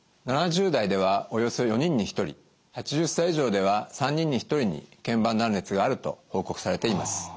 ７０代ではおよそ４人に１人８０歳以上では３人に１人に腱板断裂があると報告されています。